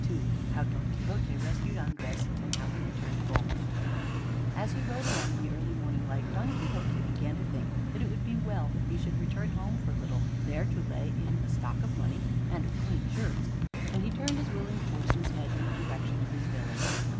II HOW DON QUIXOTE RESCUED ANDRES; AND HOW HE RETURNED HOME As he rode along in the early morning light, Don Quixote began to think that it would be well that he should return home for a little, there to lay in a stock of money and of clean shirts, and he turned his willing horse's head in the direction of his village.